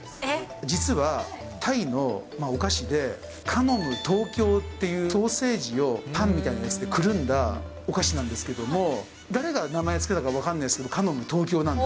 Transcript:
実はタイのお菓子で、カノム・トーキョーっていうソーセージをパンみたいなやつでくるんだお菓子なんですけども、誰が名前付けたか分かんないですけど、トーキョー。